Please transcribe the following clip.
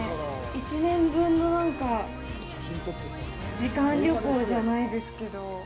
１年分の、なんか時間旅行じゃないですけど。